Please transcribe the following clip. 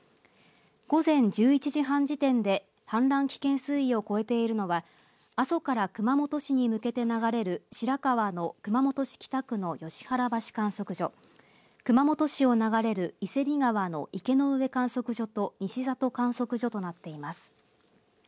午前１１時半時点で氾濫危険水位を超えているのは阿蘇から熊本市に向けて流れる白川の熊本市北区の吉原橋観測所、熊本市を流れる井芹川の池上観測所と西里観測所となっています。